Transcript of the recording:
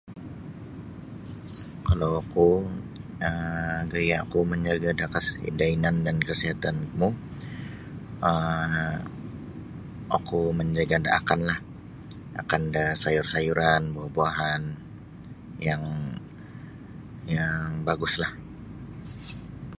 Kalau oku um gaya ku majaga da kasi da inan jangan kasiatan mu oku manjaga da akan lah akan da sayur-sayuran buah-buahan yang yang baguslah.